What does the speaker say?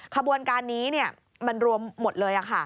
ขบวนการนี้มันรวมหมดเลย